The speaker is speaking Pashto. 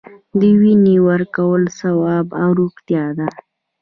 د وینې ورکول ثواب او روغتیا ده